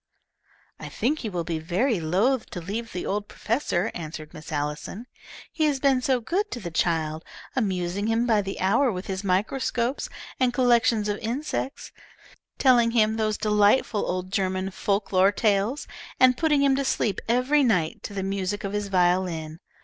"I think he will be very loath to leave the old professor," answered Miss Allison. "He has been so good to the child, amusing him by the hour with his microscopes and collections of insects, telling him those delightful old German folk lore tales, and putting him to sleep every night to the music of his violin.